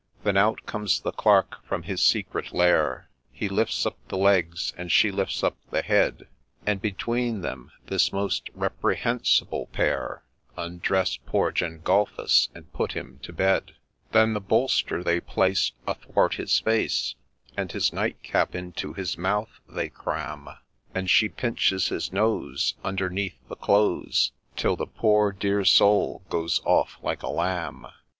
Then out comes the Clerk from his secret lair ; He lifts up the legs, and she lifts up the head, And, between them, this most reprehensible pair Undress poor Gengulphus and put him to bed. 1 'EvJ ttdtpvcn ff\aaaffa. — HoM. 146 . A LAY OF ST. GENGULPHUS Then the bolster they place athwart his face, And his night cap into his mouth they cram ; And she pinches his nose underneath the clothes, Till the ' poor dear soul ' goes off like a lamb.